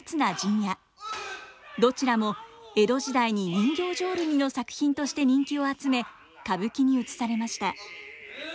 どちらも江戸時代に人形浄瑠璃の作品として人気を集め歌舞伎にうつされました。